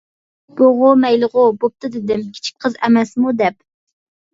بۇغۇ مەيلىغۇ، بوپتۇ دېدىم، كىچىك قىز ئەمەسمۇ دەپ.